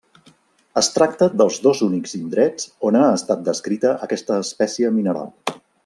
Es tracta dels dos únics indrets on ha estat descrita aquesta espècie mineral.